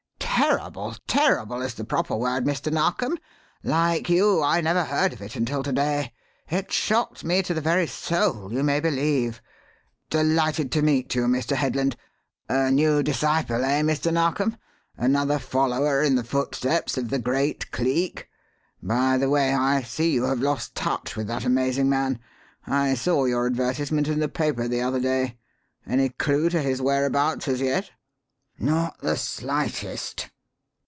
"Terrible terrible is the proper word, Mr. Narkom. Like you, I never heard of it until to day. It shocked me to the very soul, you may believe. Delighted to meet you, Mr. Headland. A new disciple, eh, Mr. Narkom? Another follower in the footsteps of the great Cleek? By the way, I see you have lost touch with that amazing man. I saw your advertisement in the paper the other day. Any clue to his whereabouts as yet?" "Not the slightest!"